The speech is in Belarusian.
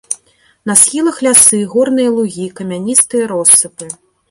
На схілах лясы, горныя лугі, камяністыя россыпы.